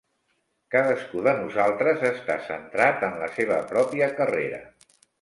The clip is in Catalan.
Cadascú de nosaltres està centrat en la seva pròpia carrera.